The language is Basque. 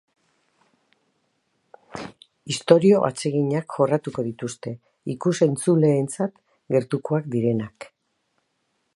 Istorio atseginak jorratuko dituzte, ikus-entzueentzat gertukoak direnak.